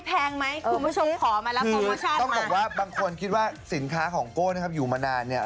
คุณผู้ชมขอมารับโปรโมชั่นมากคือต้องบอกว่าบางคนคิดว่าสินค้าของโก้อยู่มานานเนี้ย